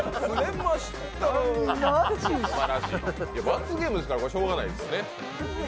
罰ゲームですから、しょうがないですね。